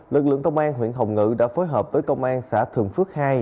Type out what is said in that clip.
lực lượng công an huyện hồng ngự đã phối hợp với công an xã thường phước hai